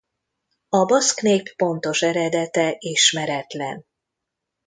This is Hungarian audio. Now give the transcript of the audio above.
A baszk nép pontos eredete ismeretlen.